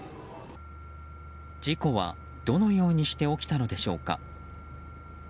事故は、どのようにして起きたのでしょうか。